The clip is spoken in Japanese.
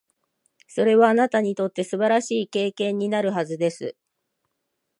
それは、あなたにとって素晴らしい経験になるはずです。